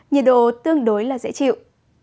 nhiệt độ tương đối là dễ chịu